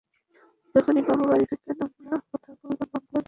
যখনই বাবা বাড়ি ফিরতেন, আমরা কথা বলতাম বাংলায়, বাংলা শিল্প-সাহিত্য নিয়ে।